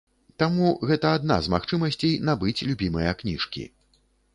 Таму гэта адна з магчымасцей набыць любімыя кніжкі.